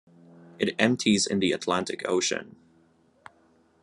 It empties in the Atlantic Ocean.